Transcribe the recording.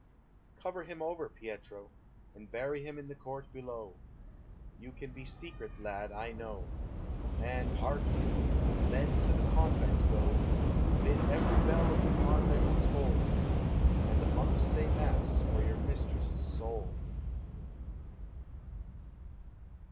Cover him over, Pietro, And bury him in the court below, You can be secret, lad, I know! And, hark you, then to the convent go, Bid every bell of the convent toll, And the monks say mass for your mistress' soul.